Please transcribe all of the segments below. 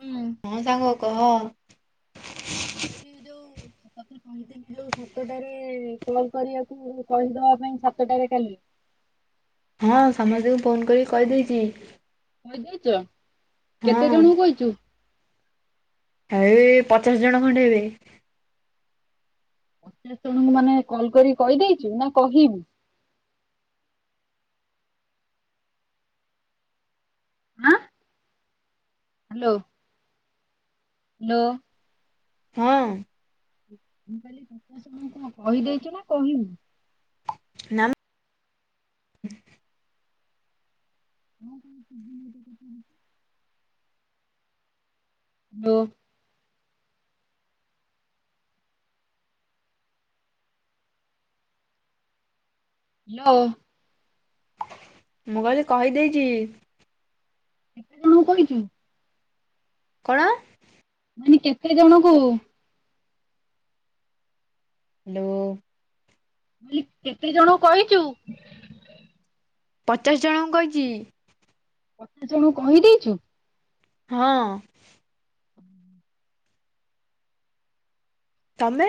ହୁଁ। ହଁ ସାଙ୍ଗ କହ? ମୁଁ କହିଲି ଯୋଉ ତତେ କହିଦେବି ଯୋଉ ସାତଟାରେ କଲ କରିବାକୁ କହିଦବା ପାଇଁ ସାତଟାରେ କାଲି ହଁ ସମସ୍ତଙ୍କୁ ଫୋନ୍ କରି କହିଦେଇଛି। କହିଦେଇଚ ହଁ କେତେ ଜଣଙ୍କୁ କହିଛୁ? ଏଇ ପଚାଶ ଜଣ ଖଣ୍ଡେ ହେବେ। ଏତେ ଜଣଙ୍କୁ ମାନେ କଲ କରି କହିଦେଇଛୁ ନା କହିବୁ? ଆଁ। ହାଲୋ। ହାଲୋ। ହଁ। ମୁଁ କହିଲି ସପ ସେଙ୍କୁ କହିଦେଇଛୁ ନା କହିବୁ? ନାମ [inaudible] କଣ କହୁଛୁ ସୁବୁନି କିଛି। ହାଲୋ। ହ୍ୟାଲୋ। ମୁଁ କହିଲି କହିଦେଇଛି। କେତେଜଣଙ୍କୁ କହିଚୁ? କଣ? ମାନେ କେତେ ଜଣଙ୍କୁ? ହାଲୋ। ମୁଁ କହିଲି କେତେ ଜଣଙ୍କୁ କହିଚୁ? ପଚାଶ ଜଣଙ୍କୁ କହିଚି। ଏତେ ଜଣୁ କହିଦେଇଛୁ? ହଁ। ତମେ?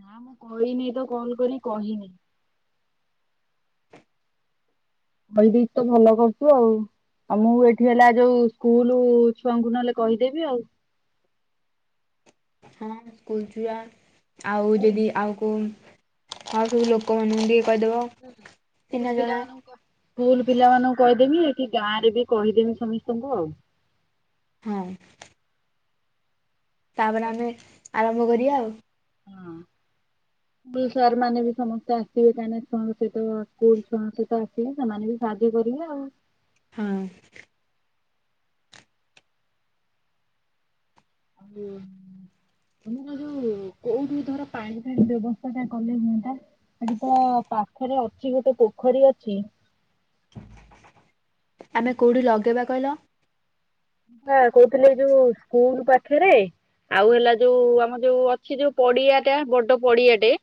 ନା ମୁଁ କହିନି ତ କଲ କଲି କହିନି? କହିଦେଇଛୁ ତ ଭଲ କରୁଛୁ ଆଉ ଆଉ ମୁଁ ଏଠି ହେଲା ଯୋଉ ସ୍କୁଲ ଛୁଆଙ୍କୁ ନହେଲେ କହିଦେବି ଆଉ ହଁ ସ୍କୁଲ ଛୁଆ ଆଉ ସ୍କୁଲ ଯଦି ଆଉ କୋଉ ଆଉ ସବୁ ଲୋକମାନଙ୍କୁ ଟିକେ କହିଦବ? ହୁଁ ସ୍କୁଲ ପିଲାମାନକୁ କ ସ୍କୁଲ ପିଲାମାନଙ୍କୁ କହିଦେମି କି ଗାଁ ରେ ବି କହିଦେମି ସମସ୍ତଙ୍କୁ ଆଉ ହଁ। ତାପରେ ଆମେ ଆରମ୍ଭ କରିବା ଆଉ ହଁ। ସାର୍ ମାନେ ବି ସମସ୍ତେ ଆସିବେ କାହିଁକନା ଛୁଆଙ୍କ ସହିତ ସ୍କୁଲ ଛୁଆଙ୍କ ସହିତ ଆସିବେ ସେମାନେ ବି ସାହାଯ୍ୟ କରିବେ ଆଉ? ହଁ। ହୁଁ। ତମ ଯୋଉ କୋଉଠି ଧର ପାଣି ଫାଣି ବ୍ୟବସ୍ଥା ଟା କଲେ ହୁଅନ୍ତା। ଏଠି ତ ପାଖରେ ଅଛି ଗୋଟେ ପୋଖରୀ ଅଛି। ଆମେ କୋଉଠି ଲଗେଇବା କହିଲ? କହୁଥିଲି କି ଯୋଉ ସ୍କୁଲ ପାଖରେ। ଆଉ ହେଲା ଯୋଉ ଆମର ଯୋଉ ଅଛି ଯୋଉ ପଡିଆ ଟା ବଡ ପଡିଆଟେ।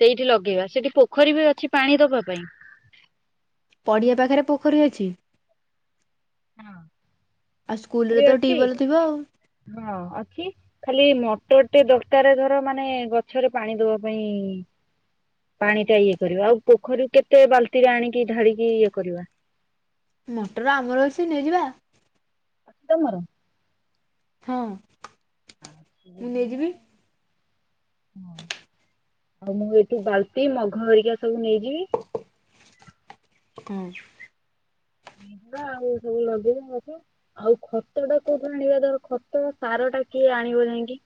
ସେଇଠି ଲଗେଇବା ସେଠି ପୋଖରୀ ବି ଅଛି ପାଣି ଦବା ପାଇଁ। ପଡ଼ିଆ ପାଖରେ ପୋଖରୀ ଅଛି। ହଁ। ଆଉ ସ୍କୁଲରେ ପୋଖରୀ ତ ଅଛି ଟୀୟଲ ଭଲ ଥିବ ଆଉ। ହଁ ଅଛି। ଖାଲି ମଟର ଟେ ଦରକାର ଧର ମାନେ ଗଛରେ ପାଣି ଦବା ପାଇଁ। ପାଣି ଟା ଇଏ କରିବା ଆଉ ପୋଖରୀ କେତେ ବାଲ୍ଟିରେ ଆଣିକି ଢାଳିକି ଇଏ କରିବା। ମଟର ଆମର ଅଛି ନେଇଯିବା। ତମର। ହଁ। ମୁଁ ନେଇଯିବି [unintelligible] ହଁ ମୁଁ ଏଇଠୁ ବାଲଟି ମଘ ହେରିକା ସବୁ ନେଇଯିବି। ହୁଁ। ା ଆଉ ସବୁ ନଦେଇବଛ [unintelligible] ଆଉ ଖତ ଟା କୋଉଠୁ ଆଣିବା ଧର ଖତ ସାର ଟା କିଏ ଆଣିବ ଯାଇହିଁକି?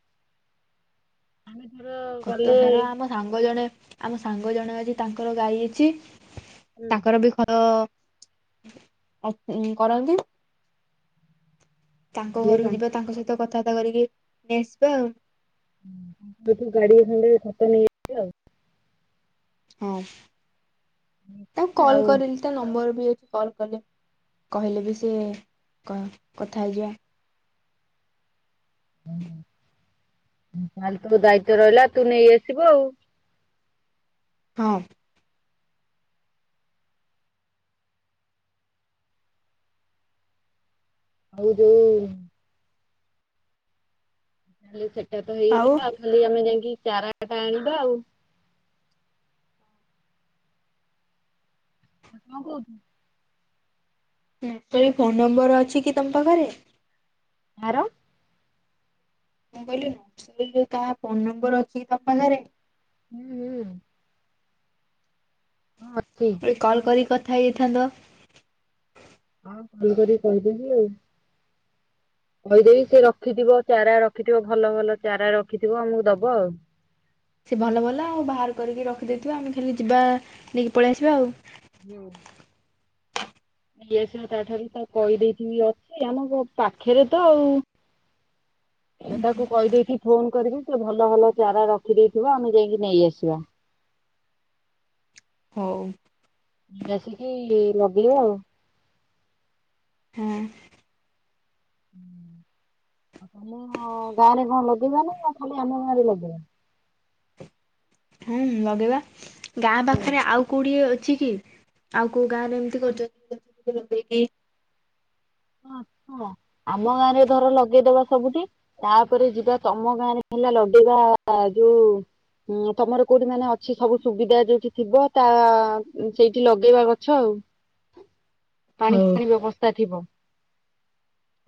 [unintelligible] ଆମେ ଧର। ଖତ ଗଲେ ସାର ଆମ ସାଙ୍ଗ ଜଣେ ଆମ ସାଙ୍ଗ ଜଣେ ଅଛି ତାଙ୍କର ଗାଈ ଅଛି। ହୁଁ ତାଙ୍କର ବି ଖର ଅ କରନ୍ତି। ତାଙ୍କ ଘରକୁ ଯିବା ତାଙ୍କ ସହିତ କଥାବାର୍ତା କରିକି ନେଇ ଆସିବା ଆଉ। ୁସେଠୁ ଗାଡିଏ ଖଣ୍ଡେ ଖତ ନେଇ। ହଁ ତାକୁ କଲ ଆଉ କରିନି! ତା ନମ୍ବର ବି ଅଛି କଲ୍ କଲେ କହିଲେ ବି ସେ କ କଥା ହେଇଯିବା। ତାହେଲେ ତୋ ଦାୟିତ୍ୱ ରହିଲା ତୁ ନେଇ ଆସିବୁ ଆଉ। ହଁ। ଆଉ ଯୋଉ। ତାହେ ଲେ ସେଟା ତ ହେଇଗଲା ଆଉ ଖାଲି ଆମେ ଯାଇକି ଚାରା ଟା ଆଣିବା ଆଉ। କଣ କହୁଛୁ? ସେଇ ଫୋନ ନମ୍ବର ଅଛି କି ତମ ପାଖରେ? କାହାର? - ମୁଁ କହିଲି କାହା ଫୋନ ନମ୍ବର ଅଛିକି ତମ ପାଖରେ? ହୁଁ ହୁଁ। ହଁ ଅଛି। କହିଲି କଲ୍ କରିକି କଥା ହେଇଯାଇଥାନ୍ତ। ହଁ ଫୋନ କରିକି କହିଦେବି ଆଉ। କହିଦେବି ସେ ରଖିଥିବ ଚାରା ରଖିଥିବ ଭଲ ଭଲ ଚାରା ରଖିଥିବ ଆମକୁ ଦବ ଆଉ। ସେ ଭଲ ଭଲ ଆଉ ବାହାର କରିକି ରଖିଦେଇଥିବା ଆମେ ଖାଲି ଯିବା ନେଇକି ପଳେଇ ଆସିବା ଆଉ। ହୁଁ। [unintelligible] ଏ ସ ତାଠାରୁ ତ କହିଦେଇଥିବି ଅଛି ଆମ ପାଖରେ ତ ଆଉ। ଏ ତାକୁ କହିଦେଇକି ଫୋନ କରିବି ତ ଭଲ ଭଲ ଚାରା ରଖିଦେଇଥିବ ଆମେ ଯାଇକି ନେଇ ଆସିବା। ହଉ। ଆସିକି ଲଗେଇବ ଆଉ। ହଁ। ଆଉ ତମ ଗାଁ ରେ କଣ ଲଗେଇବା ନା ଖାଲି ଆମ ଗାଁରେ ଲଗେଇବା। ହୁଁ ଲଗେଇବା ଗାଁ ହୁଁ ପାଖରେ ଆଉ କୋଡିଏ ଅଛି କି। ଆଉ କୋଉ ଗାଁ ରେ ଏମିତି କରୁଛନ୍ତି ଲଗେଇକି [unintelligible] ଆମ ଗାଁ ରେ ଧର ଲଗେଇଦବା ସବୁଠି। ତାପରେ ଯିବା ତମ ଗାଁରେ ହେଲା ଲଗେଇବା ଯୋଉ ହୁଁ ତମର କୋଉଠି ମାନେ ଅଛି ସବୁ ସୁବିଧା ଯୋଉଠି ଥିବ ତା ସେଇଠି ଲଗେଇବା ଗଛ ଆଉ। ପାଣି ହଉ। ଫାଣି ବ୍ୟବସ୍ଥା ଥିବ।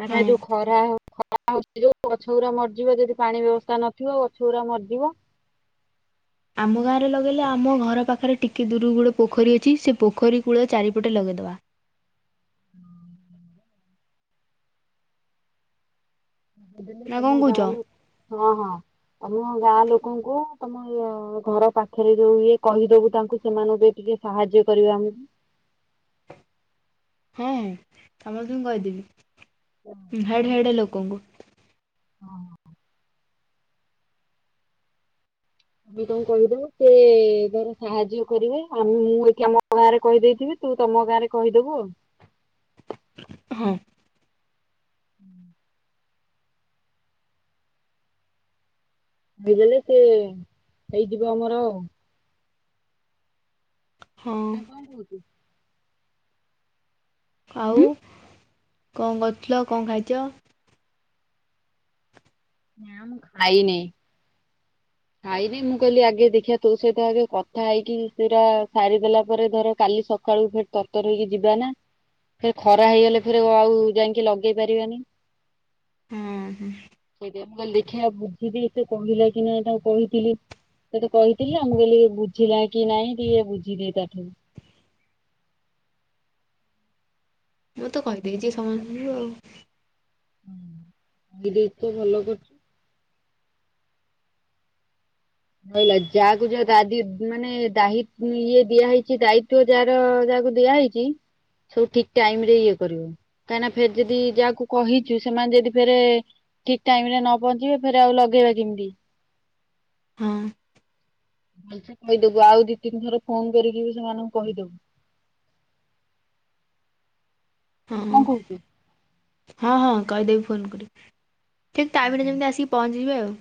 ଆମ ହଁ ଯୋଉ ଖରା ହଉ ଖ ହଉଛି ଯୋଉ ଗଛଗୁଡା ମରିଯିବ ଯଦି ପାଣି ବ୍ୟବସ୍ଥା ନଥିବ ଗଛ ଗୁଡା ମରିଯିବ। ଆମ ଗାଁରେ ଲଗେଇଲେ ଆମ ଘର ପାଖରେ ଟିକିେ ଦୂରକୁ ଗୋଡ଼ଏ ପୋଖରୀ ଅଛି ସେ ପୋଖରୀ କୂଳ ଚାରିପଟେ ଲଗେଇଦେବା। ହଁ। ଦେଲେ ନା କଣ ତମ କହୁଛ? ଗାଁ ଲୋକ ହଁ ହଁ ତମ ଗାଁ ଲୋକଙ୍କୁ ତମ ଘର ପାଖରେ ଯୋଉ ଇଏ କହିଦବୁ ତାଙ୍କୁ ସେମାନଙ୍କୁ ବି ଟିକେ ସାହାଯ୍ୟ କରିବା ଆମକୁ। ହଁ ହଁ ସମସ୍ତଙ୍କୁ କହିଦେବି ହେଡ ହେଡ ଲୋକଙ୍କୁ। ଆମେ କଣ କହିଦେବୁ ସେ ଧର ସାହାଯ୍ୟ କରିବେ ଆମେ ମୁଁ ଏଠି ଆ ତମ ଗାଁରେ କହିଦେଇଥିବି। ତୁ ତମ ଗାଁରେ କହିେବୁ ଆଉ। ହଁ। ହୁଁ। କହିଇଦଲେ ସେ ହେଇଯିବ ଆମର ଆଉ। ହଁ ନା କଣ କହୁଛୁ? ଆଉ କଣ କରୁଥିଲ କଣ ଖାଇଛ? ନା ମୁ ଖାଇନିଁ। ଖାଇନାଇ ମୁଁ କହିଲି ଆଗେ ଦେଖିବା ତୋ ସହିତ ଆଗେ କଥା ହେଇକି ସେଟା ସାରିଦେଲା ପରେ ଧର କାଲି ସ ସକାଳୁ ଫେଟ ତତର ହେଇକି ଯିବା ନା। ଫରେ ଖରା ହେଇଗଲେ ଫର ଆଉ ଯାଇକି ଲଗେଇ ପାରିବାନି। ହୁଁ ହୁଁ। ସେଇଁ କାେ ଦେଖିବା ବୁଝିକି ସେ କହିଲେ କି ନା ଏଇଟା କହିଥିଲି ସେତେ କହିଥିଲି ମୁମକୁ କହିଲି ବୁଝିଲା କି ନାଇଁ ଟିକେ ବୁଝିଦିଏ ତା ଠାରୁ। ମୁଁ ତ କହିଦେଇଛି ସମାନଙ୍କୁ ଆଉ। ହଁ ଭାଇ ଦେଇ ତ ଭଲ କରଛୁ। ରହିଲା ଯାହାକୁ ଯୋଉଦି ମାନେ ଦ ଇଏ ଦିଆହଇଛି ଦାୟିତ୍ବ ଯାର ଯାହାକୁ ଦିଆହଇଛି ସବୁ ଠିକ ଟାଇମ ରେ ଇଏ କରିବ। କାହିଁକିନା ଫେର ଯଦି ଯାହାକୁ କହିଛୁ ସେମାନେ ଯଦି ଫେରେ ଠିକ ଟାଇମ ରେ ନ ପହଞ୍ଚିବେ ଫରେ ଆଉ ଲଗେଇବା କେମିତି। ହଁ। ଭଲସେ କହିଦବୁ ଆଉ ଦି ତିନି ଥର ଫୋନ କରିକି ବି ସେମାନଙ୍କୁ କହିଦବୁ। ହଁ ନା କଣ କହୁଛୁ? ହଁ କହିଦେବି ଫୋନ କରି। ଠିକ ଟାଇମ୍ ରେ ହଁ। ଯେମିତି ଆସିକି ପହଞ୍ଚି ଯିବେ ଆଉ।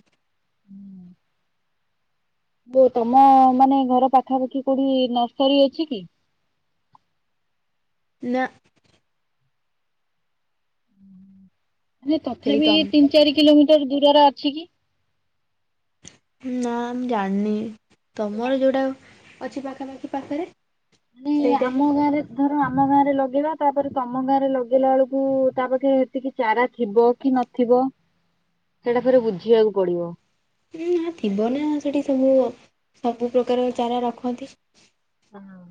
ଜୋଉ ତମ ମାନେ ଘର ପାଖାପାଖି କୋଉଠି ନର୍ସରୀ ଅଛି କି? ନା। ମାନେ ସେଇ ତଥାପି ଏଇ ତମ ତିନି ଚାରି କିଲୋମିଟର ଦୂରରେ ଅଛି କି? ନା, ମୁଁ ଜାଣିନି ତମର ଯୋଉଟା ଅଛି ପାଖାପାଖି ପାଖରେ। ମାନେ ସେଇଟା ଆମ ହିଁ ଗାଁରେ ଧର ଆମ ଗାଁ ରେ ଲଗେଇବା ତାପରେ ତମ ଗାଁ ରେ ଲଗେଇଲା ବେଳକୁ ତା ପାଖେ ହେତିକି ଚାରା ଥିବ କି ନଥିବ ସେଇଟା ଥରେ ବୁଝିବାକୁ ପଡିବ। ନା ଥିବ ନା ସେଠି ସବୁ ସବୁ ପ୍ରକାର ଚାରା ରଖନ୍ତି। ହଁ। ମୁଁ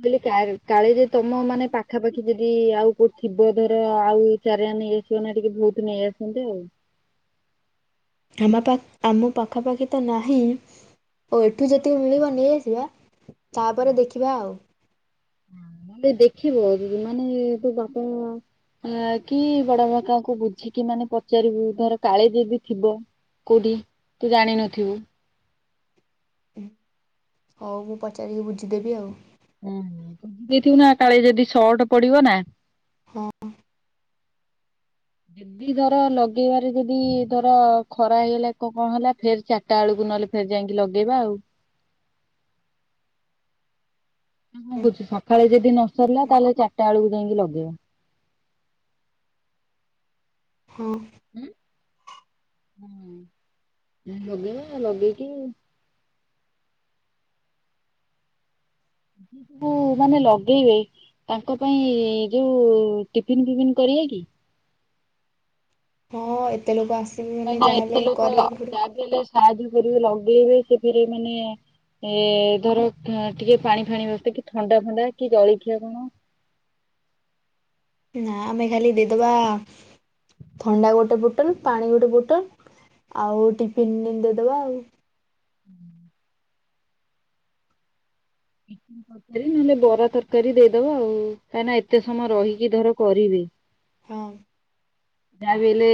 କହିଲି କାଳେ କାଳେ ଯଦି ତମ ମାନେ ପାଖାପାଖି ଯଦି ଆଉ କୋଉ ଥିବ ଧର ଆଉ ଚାରା ନେଇଆସିବ ନା ଟିକେ ବହୁତ ନେଇଆସନ୍ତେ ଆଉ। ଆମ ପା ଆମ ପାଖାପାଖି ତ ନାହିଁ। ଓ ଏଠୁ ଯେତିକି ମିଳିବ ନେଇଆସିବା ତାପରେ ଦେଖିବା ଆଉ। ମାନେ ଦେଖିବ ମାନେ ତୋ ବାପା ଆଁ କି ବଡ ବାବା କାହାକୁ ବୁଝିକି ମାନେ ପଚାରିବୁ ଧର କାଳେ ଯଦି ଥିବ। କୋଉଠି ତୁ ଜାଣିନଥିବୁ। ହୁଁ, ହୋଉ ମୁଁ ପଚାରିକି ବୁଝିଦେବି ଆଉ। ହୁଁ, ଦେଇଥିବୁ ନା କାଳେ ଯଦି ସଟ୍ ପଡିବ ନା। ହଁ। ଯେଦି ଧର ଲଗେଇବାରେ ଯଦି ଧର ଖରା ହେଇଗଲା କ କଣ ହେଲା ଫେର ଚା ଟା ବେଳକୁ ନହଲେ ଫେର୍ ଯାଇକି ଲଗେଇବା ଆଉ। ନାଁ କଣ କହୁଚୁ ସଖାଳେ ଯେଦି ନ ସରିଲା ତାହେଲେ ଚାରିଟା ବେଳକୁ ଯାଇକି ଲଗେଇବା। ହଁ। ଉଁ ହୁଁ ହଁ ଲଗେଇବା। ଲଗେଇକି ଉଁ ମାନେ ଲଗେଇବେ ତାଙ୍କ ପାଇଁ ଯୋଉ ଟିଫିନ ଫିଫନ୍ କରିଆ କି? ହଁ, ଏତେ ଲୋକ ଆସିବେ। କାଇଁ ମାନେ ନା ଯାହାହେଲେ ଏତେ ଲୋକ କରିବାକୁ ପଡ଼ିବ ଯାହାବି ହେଲେ ସାହାଯ୍ୟ କରିବେ ଲଗେଇବେ ସେଥିରେ ମାନେ ଏ ଧର ଟିକେ ପାଣି ଫାଣି ବ୍ୟବସ୍ଥା କି ଥଣ୍ଡା ଫଣ୍ଡା କି ଜଳଖିଆ କଣ। ନା, ଆମେ ଖାଲି ଦେଇଦବା ଥଣ୍ଡା ଗୋଟେ ବୋଟଲ୍, ପାଣି ଗୋଟେ ବୋଟଲ୍, ଆଉ ଟିଫିନ୍ ଦେଇଦେବା ଆଉ। ଉଁ। [unintelligible] ଆରେ ନହେଲେ ବରା ତରକାରୀ ଦେଇଦବା ଆଉ କାହିଁକି ନା ଏତେ ସମୟ ରହିକି ଧର କରିବେ। ହଁ। ଯାହା ବି ହେଲେ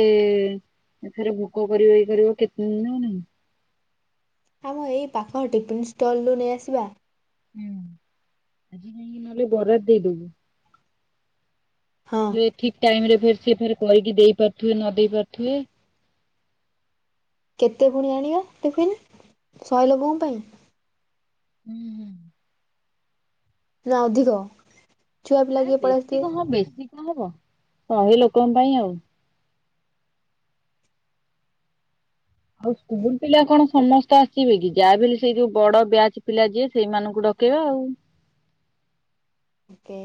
ଏଥେରେ ଭୋକ କରିବ ଇଏ କରିବ କେତେ ଦିନ ହଉନାହିଁ। ଆମ ଏଇ ପାଖ ଟିଫିନ୍ ଷ୍ଟଲ୍ ରୁ ନେଇଆସିବା। ହୁଁ, ଆଜି ଯାଇକି ନହେଲେ ବରାଦ୍ ଦେଇଦବୁ। ହଁ ନହେଲେ ଠିକ୍ ଟାଇମ୍ ରେ ଫେରେ ସିଏ ଫେରେ କରିକି ଦେଇ ପାରୁଥିବେ ନ ଦେଇ ପାରୁଥିବେ। କେତେ ପୁଣି ଆଣିବା ଟିଫିନ୍ ଶହେ ଲୋକଙ୍କ ପାଇଁ? ହୁଁ ହୁଁ। ନା ଅଧିକ। ଛୁଆ ପିଲା ନାଁ କିଏ ପଳେଇ ବେଶୀ ଆସିଥିବେ କଣ ବେଶୀ କଣ ହବ, ଶହେ ଲୋକଙ୍କ ପାଇଁ ଆଉ। ଆଉ ସ୍କୁଲ ପିଲା କଣ ସମସ୍ତେ ଆସିବେ କି ଯାହାବି ହେଲେ ସେଇ ଯୋଉ ବଡ ବ୍ୟାଚ ପିଲା ଯିଏ ସେଇମାନଙ୍କୁ ଡ କେଇବା ଆଉ। କେ।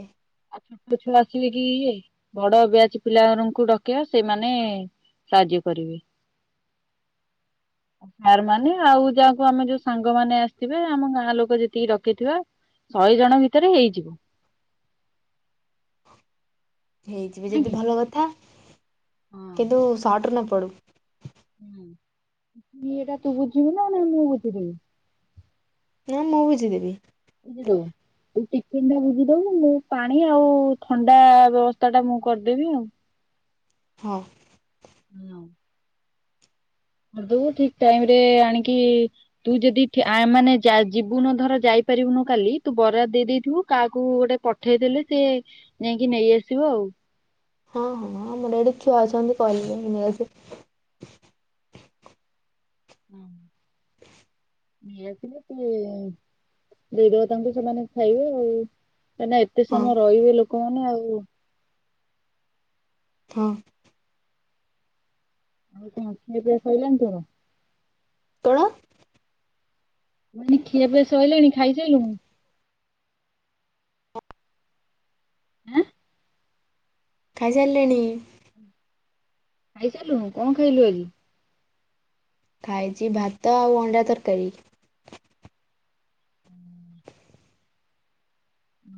ଛୋଟ ଛୁଆ ଆସିବେ କି ଇଏ ବଡ ବିଆଜ୍ ପିଲାଏରାଙ୍କୁ ଡକେଇବା ସେମାନେ ସାହାଯ୍ୟ କରିବେ। ସାର୍ ମାନେ ଆଉ ଯାହାକୁ ଆମେ ଯୋଉ ସାଙ୍ଗମାନେ ଆସିବେ ଆମ ଗାଁ ଲୋକ ଯେତିକି ଡକେଇଥିବା ଶହେ ଜଣ ଭିତରେ ହେଇଯିବ। ହେଇଯିବେ ନାଇଁ ଯଦି କି? ଭଲ କଥା କିନ୍ତୁ ସଟ୍ ନ ପଡ଼ୁ। ହୁଁ ଏଇଟା ତୁ ବୁଝିବୁ ନା ନା ମୁଁ ବୁଝିଦେବି? ହେରା ମୁଁ ବୁଝିଦେବି। ବୁଝି ଦେବୁ? ତୁ ଚିକେନ୍ ଟା ବୁଝିଦବୁ ମୁଁ ପାଣି ଆଉ ଥଣ୍ଡା ବ୍ୟବସ୍ଥା ଟା ମୁଁ କର୍ ଦେବି ଆଉ। ହଁ। ଲଭ୍। କର୍ ଦବୁ ଠିକ୍ ଟାଇମ୍ ରେ ଆଣିକି ତୁ ଯଦି ଠି ୟାମାନେ ଜା ଯିବୁନୁ ଧର ଯାଇପାରିବୁନୁ କାଲି ତୁ ବରାଦ୍ ଦେଇଦେଇଥିବୁ କାହାକୁ ଗୋଟେ ପ ଠେଇଦଲେ ସିଏ ଯାଇଁକି ନେଇଆସିବ ଆଉ। ହଁ ହଁ ଆମର ଏଠି ଛୁଆ ଅଛନ୍ତି କହିଲେ ଘିନି ଆସିବେ। ଉଁ। ଇଏ ଆସିଲେ ସେ ଦେଇ ଦେବେ ତାଙ୍କୁ ସେମାନେ ଖାଇବେ ଆଉ ମାନେ ଏତେ ହଁ ସମୟ ରହିବେ ଲୋକମାନେ ଆଉ ହଁ। ଆଉ କଣ ଖିଆ ପିଆ ସଇିଲାଣି ତୋର? କଣ? ମୁ କହିନି ଖିଆ ପିଆ ସଇଲାଣି ଖାଇସାଇଲୁଣୁ? ଆଁ। ଖାଇସାଇଲେଣି? ଖାଇସାରୁଲୁନୁ କଣ ଖାଇଲୁ ଆଜି? ଖାଇଛି ଭାତ ଆଉ ଅଣ୍ଡା ତର୍କାରୀ। [unintelligible]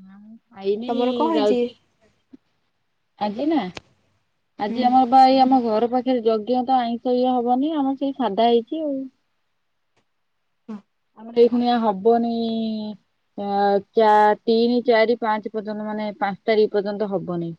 ନା ଖାଇନି ତମର କଣ ହେଇଛି ଯାଉଛି ଆଜି ନା? ହୁଁ ଆଜି ଆମର ପା ଏଇ ଆମ ଘର ପାଖରେ ଯଜ୍ଞ ତ ଆଇଁଷ ଇଏ ହବନି ଆମ ସେଇ ସାଧା ହେଇଛି ଆଉ। ଓ। ମୋତେ ବି ଖୁଣିଆ ହବନି। ଆଉ ଚା ତିନି, ଚାରି, ପାଞ୍ଚେ ପର୍ଯ୍ୟନ୍ତ ମାନେ ପାଞ୍ଚ୍ ତାରିଖ ପର୍ଯ୍ୟନ୍ତ ହବନେଇ।